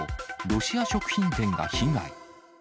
ロシア食品店が被害。